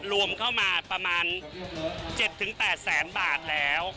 รวมเข้ามาประมาณ๗๘แสนบาทแล้ว